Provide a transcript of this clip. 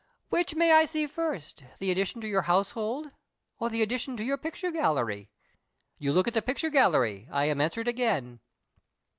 Which may I see first, the addition to your household or the addition to your picture gallery? You look at the picture gallery I am answered again."